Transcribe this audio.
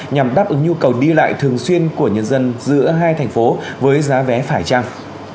nhằm đáp ứng nhu cầu đi lại thường xuyên của nhân dân giữa hai thành phố với giá vé phải trăng